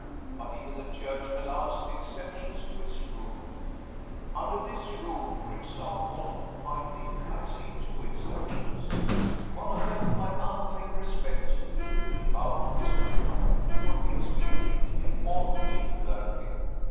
But even the Church allows exceptions to its rule. Under this roof, for example, I think I see two exceptions. One of them my unfeigned respect" (he bowed to Miss Notman) "forbids me to indicate more particularly.